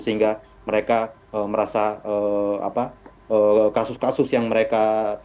sehingga mereka merasa kasus kasus yang mereka